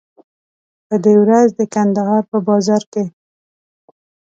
په دې ورځ د کندهار په بازار کې.